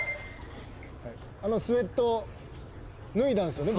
あのスエット脱いだんすよね